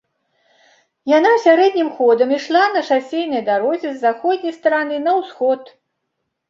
Яна сярэднім ходам ішла на шасэйнай дарозе з заходняй стараны на ўсход.